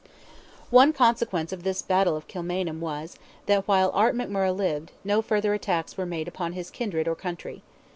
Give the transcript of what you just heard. One consequence of this battle of Kilmainham was, that while Art McMurrogh lived, no further attacks were made upon his kindred or country.